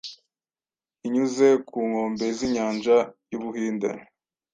inyuze ku nkombe z’Inyanja y’u Buhinde.